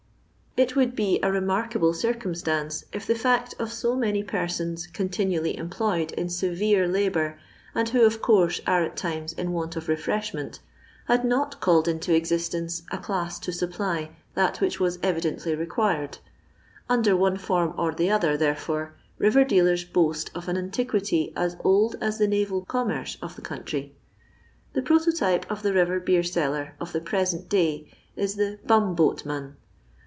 It would be a remarkable circumstance if the fret of so many persons continually employed in severe labour, and who, of course, are at times in want of refreshment, had not called into existence a class to supply that which was evidently re quired ; under one form or the other, therefore, river dealers boast of an antiquity as old as the navel commerce of the country. The prototype of the river beer seller of the present day is the bumboat mon.